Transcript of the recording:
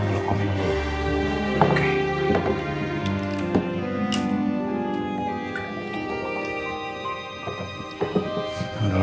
mbak dulu kamu minum dulu